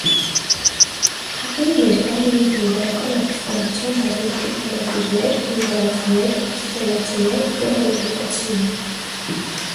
Խաղին ներկա էին հունգարական ապստամբության բազմաթիվ համակիրներ՝ հունգարացիներ, ավստարալացիներ և ամերիկացիներ։